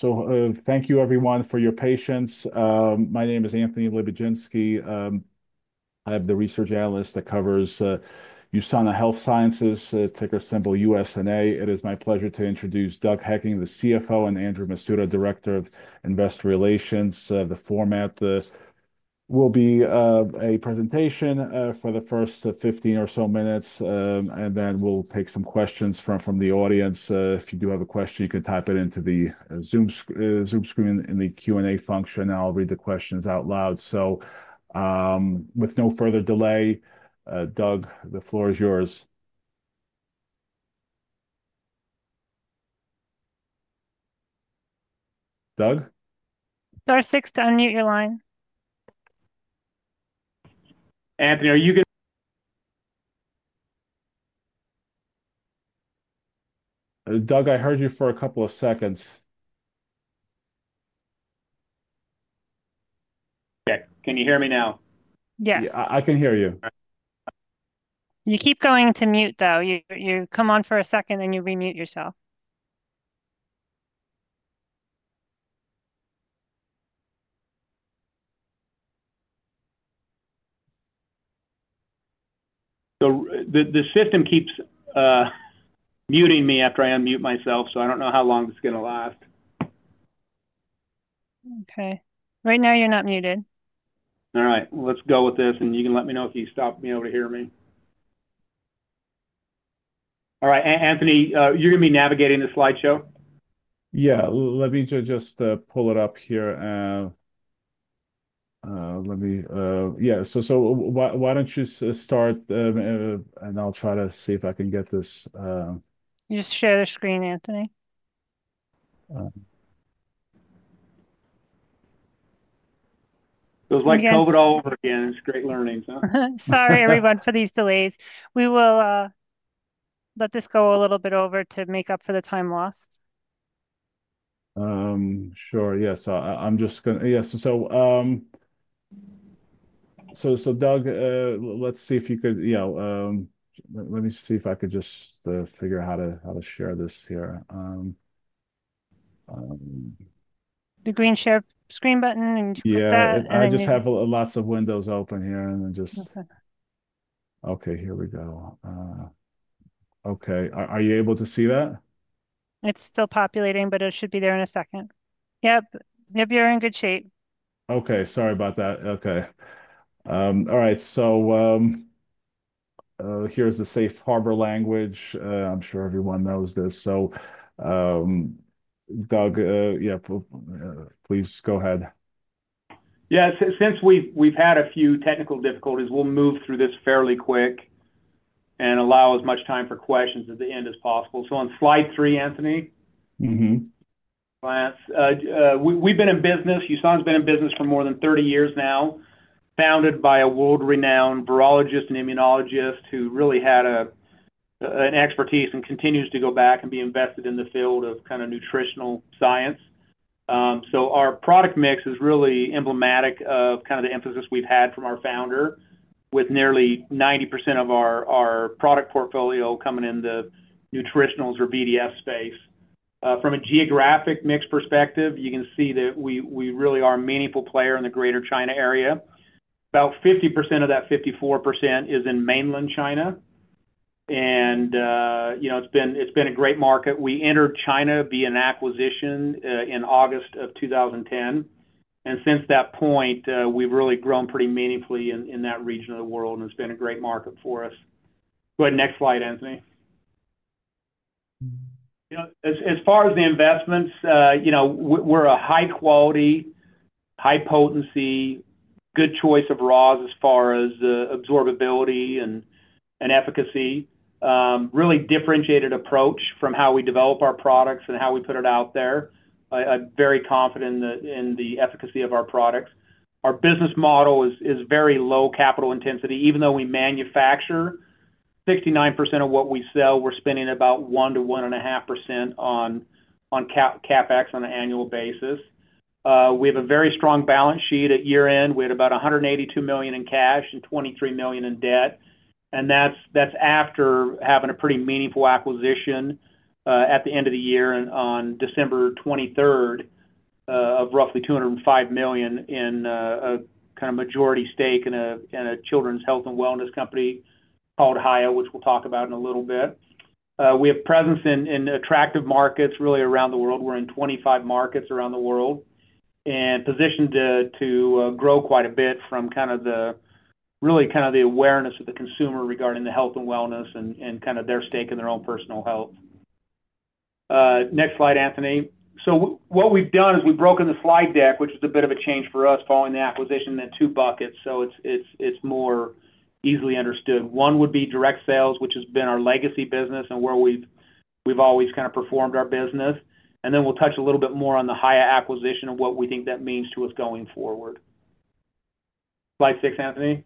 Thank you, everyone, for your patience. My name is Anthony Lebiedzinski. I am the research analyst that covers USANA Health Sciences, ticker symbol USNA. It is my pleasure to introduce Doug Hekking, the CFO, and Andrew Masuda, Director of Investor Relations. The format will be a presentation for the first 15 or so minutes, and then we'll take some questions from the audience. If you do have a question, you can type it into the Zoom screen in the Q&A function, and I'll read the questions out loud. With no further delay, Doug, the floor is yours. Doug? Star 6 to unmute your line. Anthony, are you good? Doug, I heard you for a couple of seconds. Okay. Can you hear me now? Yes. Yeah, I can hear you. You keep going to mute, though. You come on for a second, then you remute yourself. The system keeps muting me after I unmute myself, so I don't know how long this is going to last. Okay. Right now, you're not muted. All right. Let's go with this, and you can let me know if you stop being able to hear me. All right. Anthony, you're going to be navigating the slideshow? Yeah. Let me just pull it up here. Let me—yeah. Why don't you start, and I'll try to see if I can get this? You just share the screen, Anthony. It was like COVID all over again. It's great learning, huh? Sorry, everyone, for these delays. We will let this go a little bit over to make up for the time lost. Sure. Yeah. I'm just going to—yeah. Doug, let's see if you could—yeah. Let me see if I could just figure out how to share this here. The green share screen button and stuff like that. Yeah. I just have lots of windows open here, and then just—okay. Here we go. Okay. Are you able to see that? It's still populating, but it should be there in a second. Yep. Yep. You're in good shape. Okay. Sorry about that. Okay. All right. So here's the safe harbor language. I'm sure everyone knows this. Doug, yep, please go ahead. Yeah. Since we've had a few technical difficulties, we'll move through this fairly quick and allow as much time for questions at the end as possible. On slide three, Anthony, we've been in business—USANA has been in business for more than 30 years now, founded by a world-renowned virologist and immunologist who really had an expertise and continues to go back and be invested in the field of kind of nutritional science. Our product mix is really emblematic of kind of the emphasis we've had from our founder, with nearly 90% of our product portfolio coming into nutritionals or VDS space. From a geographic mix perspective, you can see that we really are a meaningful player in the greater China area. About 50% of that 54% is in mainland China, and it's been a great market. We entered China via an acquisition in August of 2010. Since that point, we've really grown pretty meaningfully in that region of the world, and it's been a great market for us. Go ahead. Next slide, Anthony. As far as the investments, we're a high-quality, high-potency, good choice of raws as far as absorbability and efficacy. Really differentiated approach from how we develop our products and how we put it out there. I'm very confident in the efficacy of our products. Our business model is very low capital intensity. Even though we manufacture 69% of what we sell, we're spending about 1-1.5% on CapEx on an annual basis. We have a very strong balance sheet at year-end. We had about $182 million in cash and $23 million in debt. That's after having a pretty meaningful acquisition at the end of the year on December 23rd of roughly $205 million in a kind of majority stake in a children's health and wellness company called Hiya which we'll talk about in a little bit. We have presence in attractive markets really around the world. We're in 25 markets around the world and positioned to grow quite a bit from kind of the really kind of the awareness of the consumer regarding the health and wellness and kind of their stake in their own personal health. Next slide, Anthony. What we've done is we've broken the slide deck, which is a bit of a change for us following the acquisition, in two buckets. It's more easily understood. One would be direct sales, which has been our legacy business and where we've always kind of performed our business. Then we'll touch a little bit more on the Hiya acquisition and what we think that means to us going forward. Slide 6, Anthony.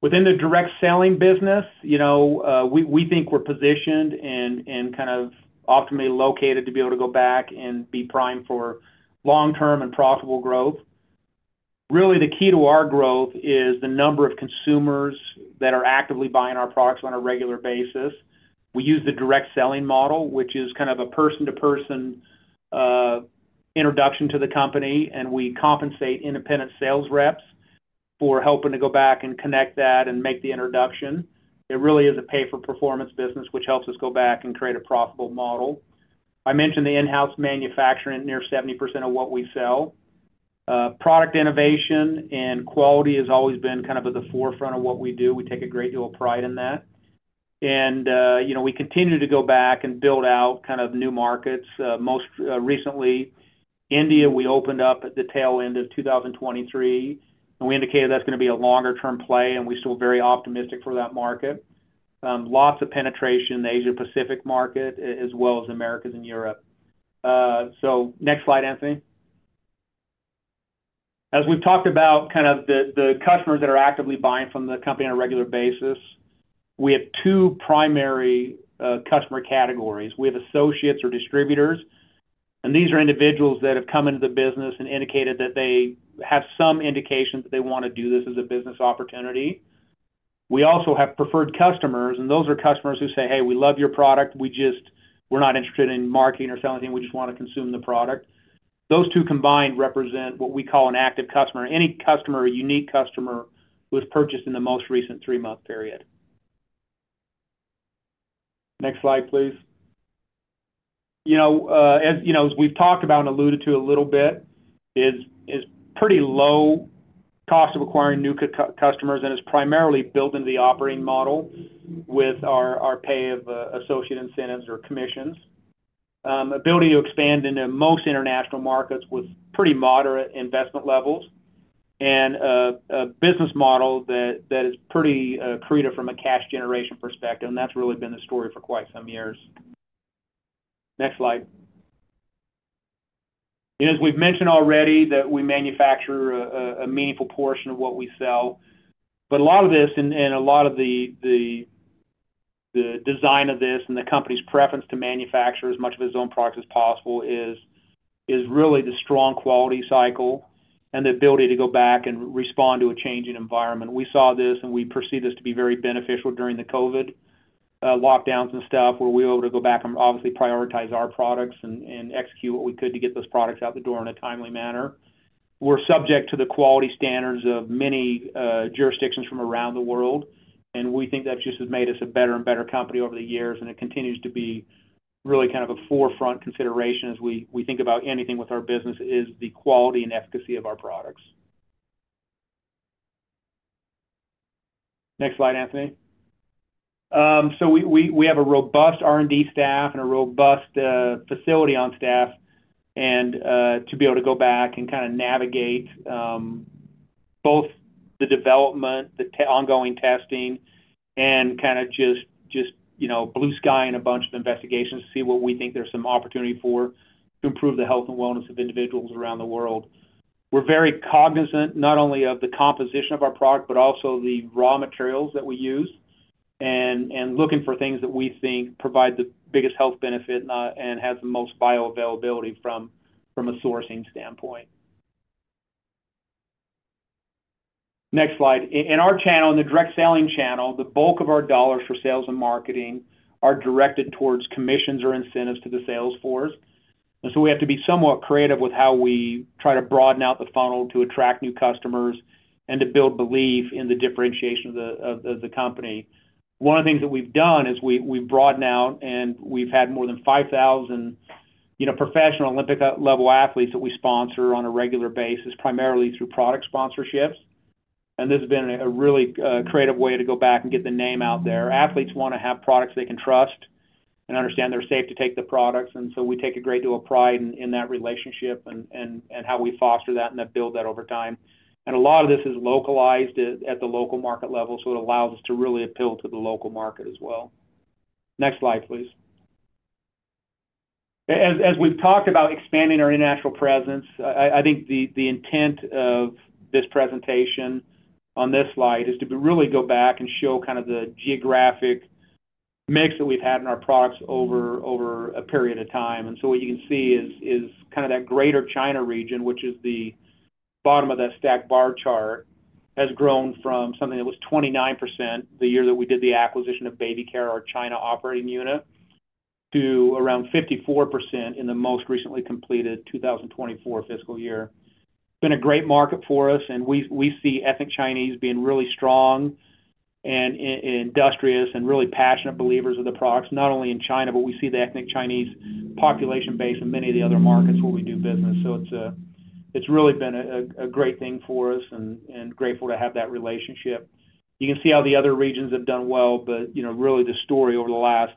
Within the direct selling business, we think we're positioned and kind of optimally located to be able to go back and be primed for long-term and profitable growth. Really, the key to our growth is the number of consumers that are actively buying our products on a regular basis. We use the direct selling model, which is kind of a person-to-person introduction to the company, and we compensate independent sales reps for helping to go back and connect that and make the introduction. It really is a pay-for-performance business, which helps us go back and create a profitable model. I mentioned the in-house manufacturing at near 70% of what we sell. Product innovation and quality has always been kind of at the forefront of what we do. We take a great deal of pride in that. We continue to go back and build out kind of new markets. Most recently, India, we opened up at the tail end of 2023, and we indicated that's going to be a longer-term play, and we're still very optimistic for that market. Lots of penetration in the Asia-Pacific market as well as America and Europe. Next slide, Anthony. As we've talked about kind of the customers that are actively buying from the company on a regular basis, we have two primary customer categories. We have associates or distributors, and these are individuals that have come into the business and indicated that they have some indication that they want to do this as a business opportunity. We also have preferred customers, and those are customers who say, "Hey, we love your product. We're not interested in marketing or selling anything. We just want to consume the product." Those two combined represent what we call an active customer, any customer, a unique customer who has purchased in the most recent three-month period. Next slide, please. As we've talked about and alluded to a little bit, it's pretty low cost of acquiring new customers, and it's primarily built into the operating model with our pay of associate incentives or commissions. Ability to expand into most international markets with pretty moderate investment levels and a business model that is pretty creative from a cash generation perspective. That's really been the story for quite some years. Next slide. As we've mentioned already, we manufacture a meaningful portion of what we sell. A lot of this and a lot of the design of this and the company's preference to manufacture as much of its own products as possible is really the strong quality cycle and the ability to go back and respond to a changing environment. We saw this, and we perceive this to be very beneficial during the COVID lockdowns and stuff where we were able to go back and obviously prioritize our products and execute what we could to get those products out the door in a timely manner. We are subject to the quality standards of many jurisdictions from around the world, and we think that just has made us a better and better company over the years. It continues to be really kind of a forefront consideration as we think about anything with our business is the quality and efficacy of our products. Next slide, Anthony. We have a robust R&D staff and a robust facility on staff to be able to go back and kind of navigate both the development, the ongoing testing, and kind of just blue sky in a bunch of investigations to see what we think there's some opportunity for to improve the health and wellness of individuals around the world. We're very cognizant not only of the composition of our product, but also the raw materials that we use and looking for things that we think provide the biggest health benefit and have the most bioavailability from a sourcing standpoint. Next slide. In our channel, in the direct selling channel, the bulk of our dollars for sales and marketing are directed towards commissions or incentives to the sales force. We have to be somewhat creative with how we try to broaden out the funnel to attract new customers and to build belief in the differentiation of the company. One of the things that we've done is we've broadened out, and we've had more than 5,000 professional Olympic-level athletes that we sponsor on a regular basis, primarily through product sponsorships. This has been a really creative way to go back and get the name out there. Athletes want to have products they can trust and understand they're safe to take the products. We take a great deal of pride in that relationship and how we foster that and build that over time. A lot of this is localized at the local market level, so it allows us to really appeal to the local market as well. Next slide, please. As we've talked about expanding our international presence, I think the intent of this presentation on this slide is to really go back and show kind of the geographic mix that we've had in our products over a period of time. What you can see is kind of that greater China region, which is the bottom of that stacked bar chart, has grown from something that was 29% the year that we did the acquisition of BabyCare, our China operating unit, to around 54% in the most recently completed 2024 fiscal year. It's been a great market for us, and we see ethnic Chinese being really strong and industrious and really passionate believers of the products, not only in China, but we see the ethnic Chinese population base in many of the other markets where we do business. It has really been a great thing for us and grateful to have that relationship. You can see how the other regions have done well, but really the story over the last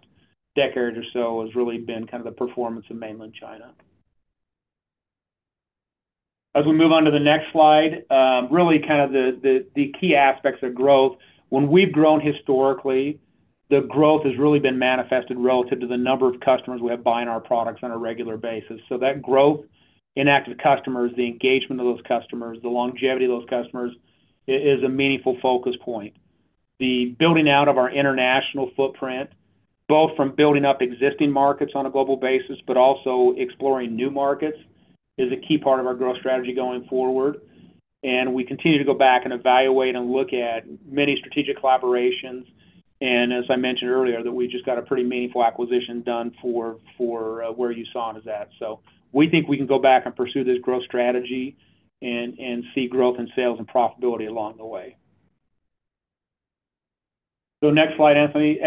decade or so has really been kind of the performance of mainland China. As we move on to the next slide, really kind of the key aspects of growth. When we have grown historically, the growth has really been manifested relative to the number of customers we have buying our products on a regular basis. That growth in active customers, the engagement of those customers, the longevity of those customers is a meaningful focus point. The building out of our international footprint, both from building up existing markets on a global basis, but also exploring new markets, is a key part of our growth strategy going forward. We continue to go back and evaluate and look at many strategic collaborations. As I mentioned earlier, we just got a pretty meaningful acquisition done for where USANA is at. We think we can go back and pursue this growth strategy and see growth in sales and profitability along the way. Next slide, Anthony.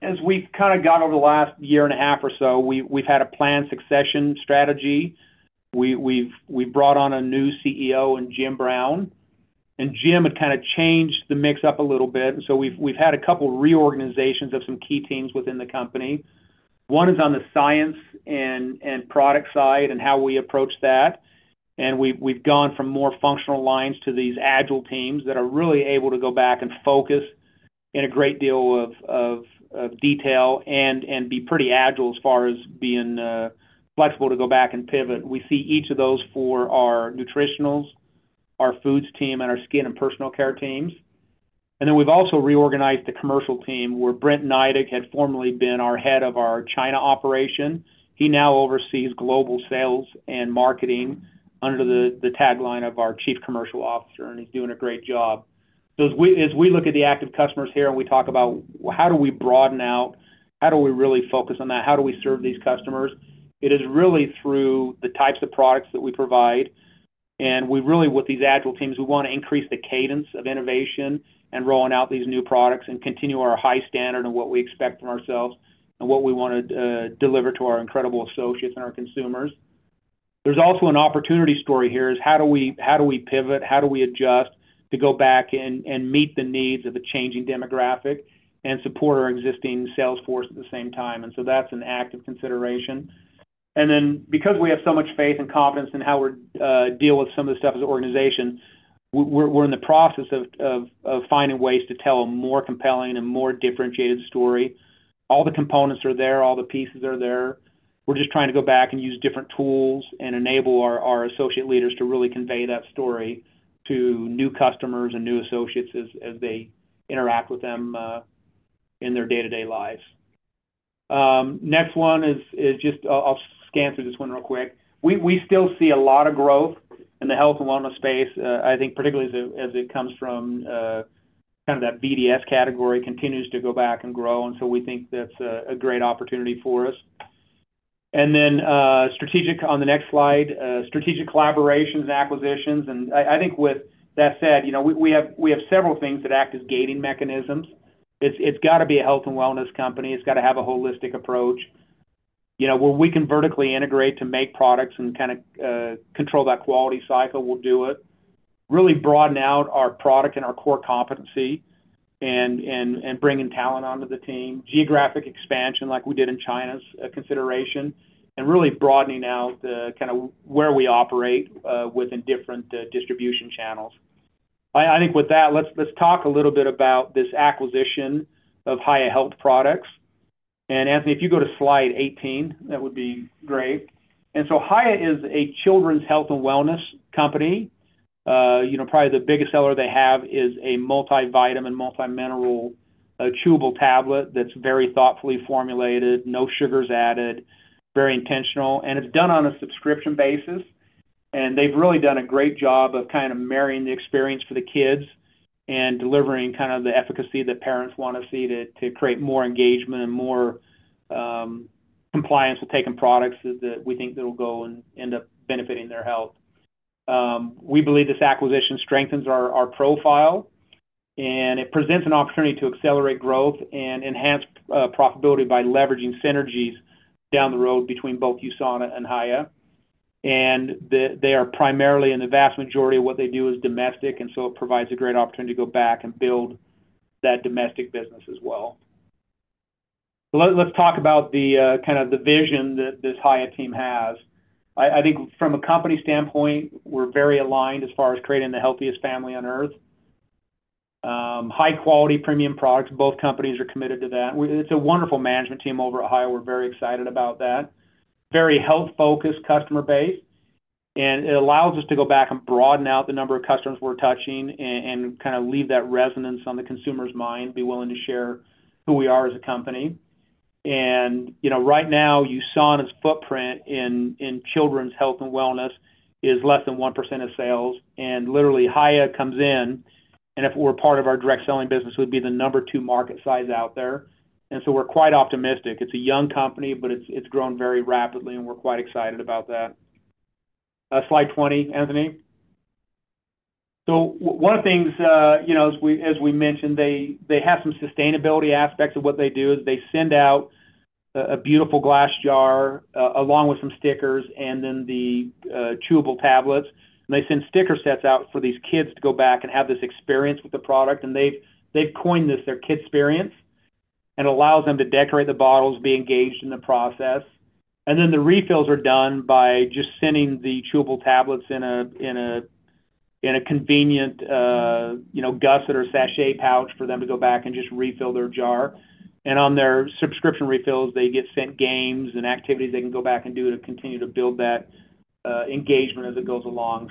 As we've kind of gone over the last year and a half or so, we've had a planned succession strategy. We've brought on a new CEO in Jim Brown. Jim had kind of changed the mix up a little bit. We've had a couple of reorganizations of some key teams within the company. One is on the science and product side and how we approach that. We have gone from more functional lines to these agile teams that are really able to go back and focus in a great deal of detail and be pretty agile as far as being flexible to go back and pivot. We see each of those for our nutritionals, our foods team, and our skin and personal care teams. We have also reorganized the commercial team where Brent Neidig had formerly been our head of our China operation. He now oversees global sales and marketing under the tagline of our Chief Commercial Officer, and he is doing a great job. As we look at the active customers here and we talk about how do we broaden out, how do we really focus on that, how do we serve these customers, it is really through the types of products that we provide. With these agile teams, we want to increase the cadence of innovation and rolling out these new products and continue our high standard and what we expect from ourselves and what we want to deliver to our incredible associates and our consumers. There's also an opportunity story here: how do we pivot, how do we adjust to go back and meet the needs of a changing demographic and support our existing sales force at the same time. That's an active consideration. Because we have so much faith and confidence in how we deal with some of this stuff as an organization, we're in the process of finding ways to tell a more compelling and more differentiated story. All the components are there. All the pieces are there. We're just trying to go back and use different tools and enable our associate leaders to really convey that story to new customers and new associates as they interact with them in their day-to-day lives. Next one is just I'll scan through this one real quick. We still see a lot of growth in the health and wellness space, I think, particularly as it comes from kind of that BDS category continues to go back and grow. We think that's a great opportunity for us. Strategic on the next slide, strategic collaborations and acquisitions. I think with that said, we have several things that act as gating mechanisms. It's got to be a health and wellness company. It's got to have a holistic approach. Where we can vertically integrate to make products and kind of control that quality cycle, we'll do it. Really broaden out our product and our core competency and bringing talent onto the team. Geographic expansion like we did in China is a consideration. Really broadening out kind of where we operate within different distribution channels. I think with that, let's talk a little bit about this acquisition of Hiya Health products. Anthony, if you go to slide 18, that would be great. Hiya is a children's health and wellness company. Probably the biggest seller they have is a multivitamin, multi-mineral, chewable tablet that's very thoughtfully formulated, no sugars added, very intentional. It's done on a subscription basis. They've really done a great job of kind of marrying the experience for the kids and delivering kind of the efficacy that parents want to see to create more engagement and more compliance with taking products that we think that will go and end up benefiting their health. We believe this acquisition strengthens our profile, and it presents an opportunity to accelerate growth and enhance profitability by leveraging synergies down the road between both USANA and Hiya. They are primarily in the vast majority of what they do is domestic, and so it provides a great opportunity to go back and build that domestic business as well. Let's talk about kind of the vision that this Hiya team has. I think from a company standpoint, we're very aligned as far as creating the healthiest family on earth. High-quality premium products, both companies are committed to that. It's a wonderful management team over at Hiya. We're very excited about that. Very health-focused customer base. It allows us to go back and broaden out the number of customers we're touching and kind of leave that resonance on the consumer's mind, be willing to share who we are as a company. Right now, USANA's footprint in children's health and wellness is less than 1% of sales. Literally, Hiya comes in, and if we were part of our direct selling business, we'd be the number two market size out there. We are quite optimistic. It's a young company, but it's grown very rapidly, and we're quite excited about that. Slide 20, Anthony. One of the things, as we mentioned, they have some sustainability aspects of what they do. They send out a beautiful glass jar along with some stickers and then the chewable tablets. They send sticker sets out for these kids to go back and have this experience with the product. They have coined this their kid experience. It allows them to decorate the bottles, be engaged in the process. The refills are done by just sending the chewable tablets in a convenient gusset or sachet pouch for them to go back and just refill their jar. On their subscription refills, they get sent games and activities they can go back and do to continue to build that engagement as it goes along.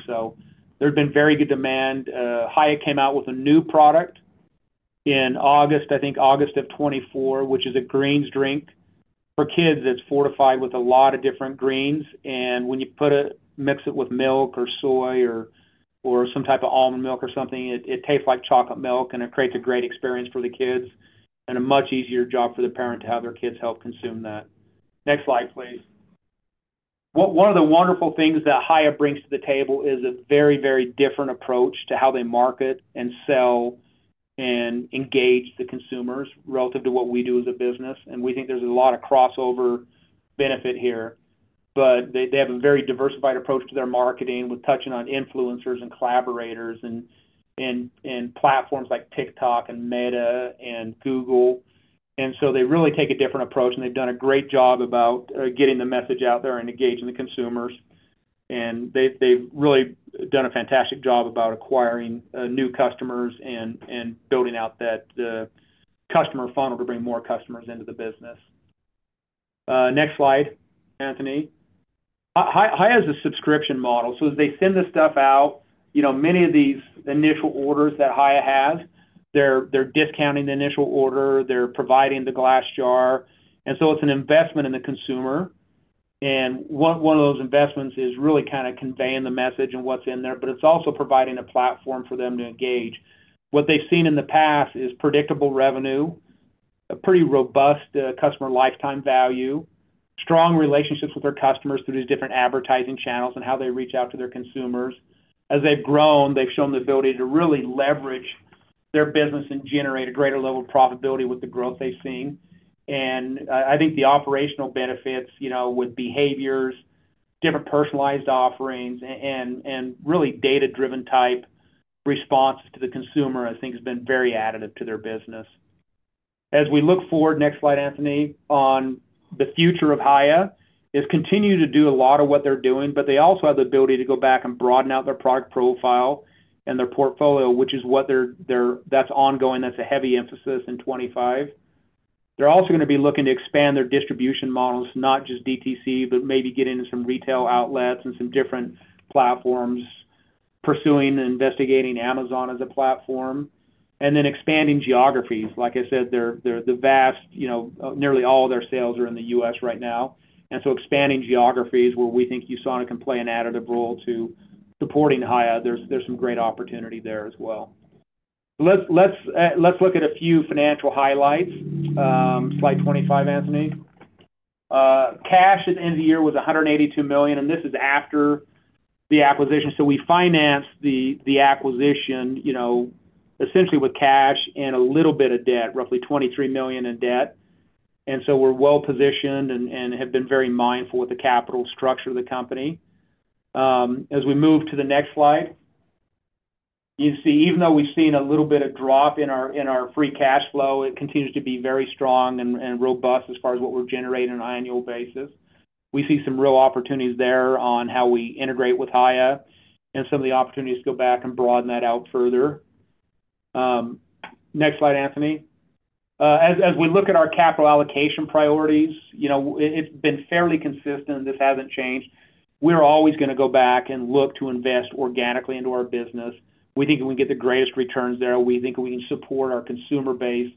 There has been very good demand. Hiya came out with a new product in August, I think August of 2024, which is a greens drink for kids that is fortified with a lot of different greens. When you mix it with milk or soy or some type of almond milk or something, it tastes like chocolate milk, and it creates a great experience for the kids and a much easier job for the parent to have their kids help consume that. Next slide, please. One of the wonderful things that Hiya brings to the table is a very, very different approach to how they market and sell and engage the consumers relative to what we do as a business. We think there's a lot of crossover benefit here. They have a very diversified approach to their marketing with touching on influencers and collaborators and platforms like TikTok and Meta and Google. They really take a different approach, and they've done a great job about getting the message out there and engaging the consumers. They've really done a fantastic job about acquiring new customers and building out that customer funnel to bring more customers into the business. Next slide, Anthony. Hiya is a subscription model. As they send this stuff out, many of these initial orders that Hiya has, they're discounting the initial order. They're providing the glass jar. It is an investment in the consumer. One of those investments is really kind of conveying the message and what's in there, but it's also providing a platform for them to engage. What they've seen in the past is predictable revenue, a pretty robust customer lifetime value, strong relationships with their customers through these different advertising channels and how they reach out to their consumers. As they've grown, they've shown the ability to really leverage their business and generate a greater level of profitability with the growth they've seen. I think the operational benefits with behaviors, different personalized offerings, and really data-driven type responses to the consumer, I think, has been very additive to their business. As we look forward, next slide, Anthony, on the future of Hiya is continue to do a lot of what they're doing, but they also have the ability to go back and broaden out their product profile and their portfolio, which is what that's ongoing. That's a heavy emphasis in 2025. They're also going to be looking to expand their distribution models, not just DTC, but maybe get into some retail outlets and some different platforms, pursuing and investigating Amazon as a platform, and then expanding geographies. Like I said, the vast, nearly all of their sales are in the U.S. right now. Expanding geographies where we think USANA can play an additive role to supporting Hiya, there's some great opportunity there as well. Let's look at a few financial highlights. Slide 25, Anthony. Cash at the end of the year was $182 million, and this is after the acquisition. We financed the acquisition essentially with cash and a little bit of debt, roughly $23 million in debt. We are well-positioned and have been very mindful with the capital structure of the company. As we move to the next slide, you can see even though we've seen a little bit of drop in our free cash flow, it continues to be very strong and robust as far as what we're generating on an annual basis. We see some real opportunities there on how we integrate with Hiya and some of the opportunities to go back and broaden that out further. Next slide, Anthony. As we look at our capital allocation priorities, it's been fairly consistent. This hasn't changed. We're always going to go back and look to invest organically into our business. We think we can get the greatest returns there. We think we can support our consumer base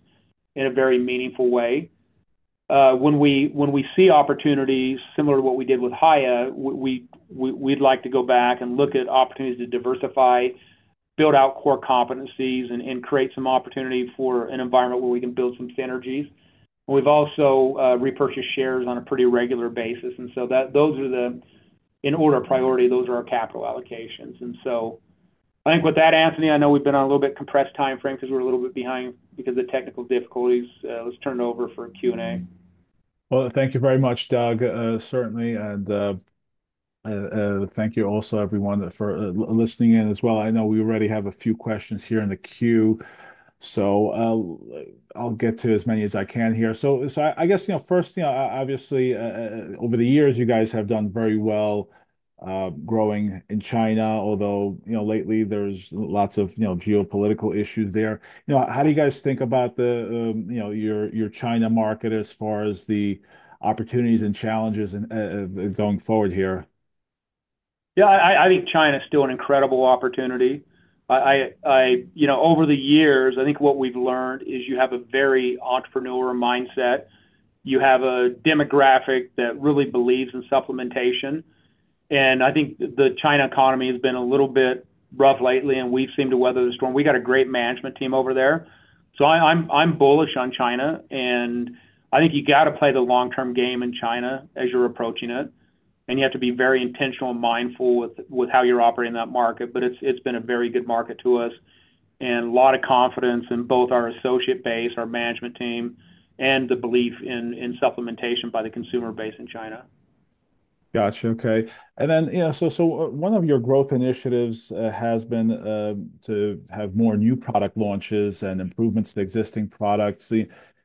in a very meaningful way. When we see opportunities similar to what we did with Hiya, we'd like to go back and look at opportunities to diversify, build out core competencies, and create some opportunity for an environment where we can build some synergies. We've also repurchased shares on a pretty regular basis. Those are the, in order of priority, those are our capital allocations. I think with that, Anthony, I know we've been on a little bit compressed timeframe because we're a little bit behind because of technical difficulties. Let's turn it over for Q&A. Thank you very much, Doug, certainly. Thank you also, everyone, for listening in as well. I know we already have a few questions here in the queue. I'll get to as many as I can here. I guess first, obviously, over the years, you guys have done very well growing in China, although lately there's lots of geopolitical issues there. How do you guys think about your China market as far as the opportunities and challenges going forward here? I think China is still an incredible opportunity. Over the years, I think what we've learned is you have a very entrepreneurial mindset. You have a demographic that really believes in supplementation. I think the China economy has been a little bit rough lately, and we've seemed to weather the storm. We've got a great management team over there. I’m bullish on China. I think you got to play the long-term game in China as you're approaching it. You have to be very intentional and mindful with how you're operating that market. It's been a very good market to us and a lot of confidence in both our associate base, our management team, and the belief in supplementation by the consumer base in China. Gotcha. Okay. One of your growth initiatives has been to have more new product launches and improvements to existing products.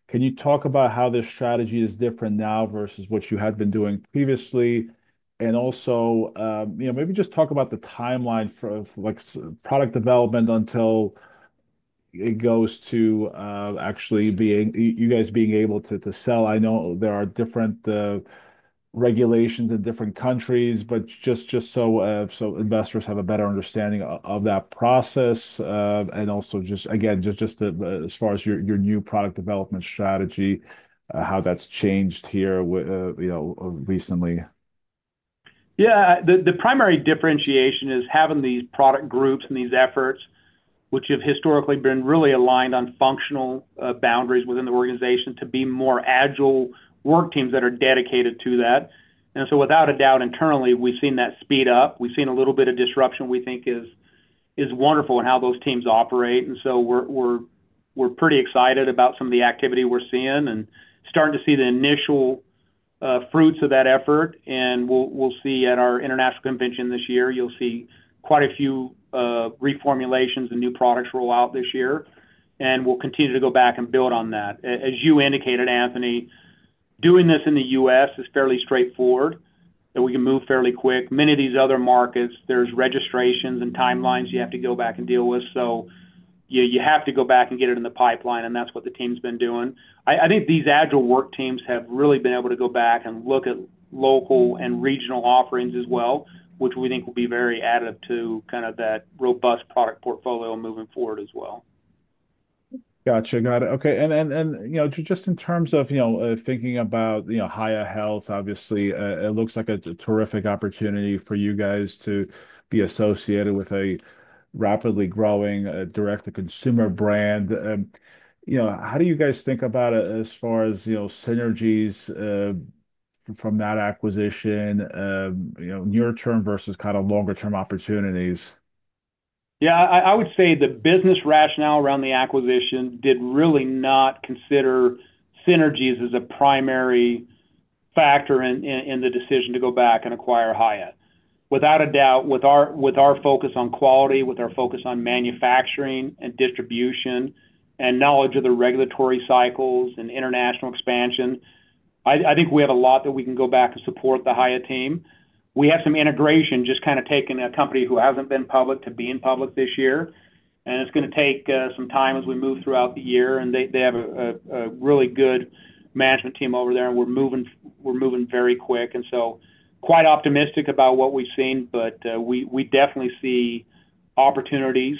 Can you talk about how this strategy is different now versus what you had been doing previously? Also maybe just talk about the timeline for product development until it goes to actually you guys being able to sell. I know there are different regulations in different countries, but just so investors have a better understanding of that process. Also, just, again, just as far as your new product development strategy, how that's changed here recently. Yeah. The primary differentiation is having these product groups and these efforts, which have historically been really aligned on functional boundaries within the organization to be more agile work teams that are dedicated to that. Without a doubt, internally, we've seen that speed up. We've seen a little bit of disruption, we think, is wonderful in how those teams operate. We're pretty excited about some of the activity we're seeing and starting to see the initial fruits of that effort. We will see at our international convention this year, you'll see quite a few reformulations and new products roll out this year. We will continue to go back and build on that. As you indicated, Anthony, doing this in the U.S. is fairly straightforward, and we can move fairly quick. Many of these other markets, there are registrations and timelines you have to go back and deal with. You have to go back and get it in the pipeline, and that's what the team's been doing. I think these agile work teams have really been able to go back and look at local and regional offerings as well, which we think will be very additive to kind of that robust product portfolio moving forward as well. Gotcha. Got it. Okay. Just in terms of thinking about Hiya Health, obviously, it looks like a terrific opportunity for you guys to be associated with a rapidly growing direct-to-consumer brand. How do you guys think about it as far as synergies from that acquisition, near-term versus kind of longer-term opportunities? Yeah. I would say the business rationale around the acquisition did really not consider synergies as a primary factor in the decision to go back and acquire Hiya. Without a doubt, with our focus on quality, with our focus on manufacturing and distribution and knowledge of the regulatory cycles and international expansion, I think we have a lot that we can go back and support the Hiya team. We have some integration just kind of taking a company who hasn't been public to being public this year. It's going to take some time as we move throughout the year. They have a really good management team over there, and we're moving very quick. I am quite optimistic about what we've seen, but we definitely see opportunities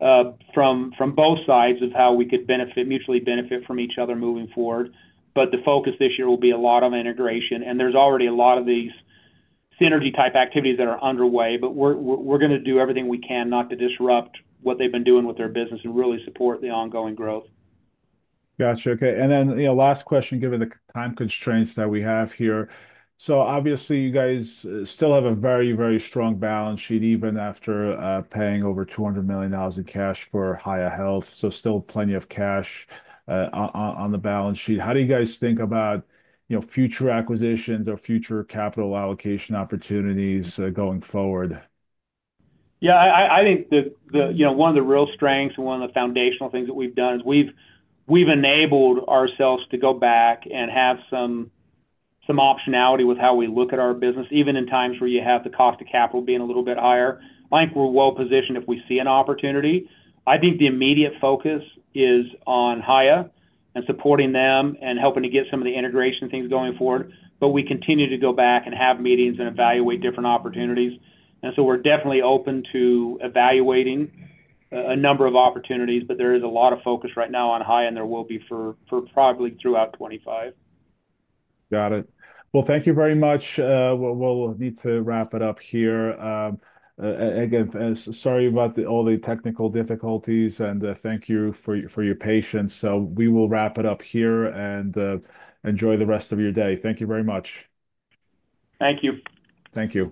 from both sides of how we could mutually benefit from each other moving forward. The focus this year will be a lot of integration. There are already a lot of these synergy-type activities that are underway, but we're going to do everything we can not to disrupt what they've been doing with their business and really support the ongoing growth. Gotcha. Okay. Last question, given the time constraints that we have here. Obviously, you guys still have a very, very strong balance sheet even after paying over $200 million in cash for Hiya Health. Still plenty of cash on the balance sheet. How do you guys think about future acquisitions or future capital allocation opportunities going forward? Yeah. I think one of the real strengths and one of the foundational things that we've done is we've enabled ourselves to go back and have some optionality with how we look at our business, even in times where you have the cost of capital being a little bit higher. I think we're well-positioned if we see an opportunity. I think the immediate focus is on Hiya and supporting them and helping to get some of the integration things going forward. We continue to go back and have meetings and evaluate different opportunities. We are definitely open to evaluating a number of opportunities, but there is a lot of focus right now on Hiya, and there will be for probably throughout 2025. Got it. Thank you very much. We'll need to wrap it up here. Again, sorry about all the technical difficulties, and thank you for your patience. We will wrap it up here and enjoy the rest of your day. Thank you very much. Thank you. Thank you.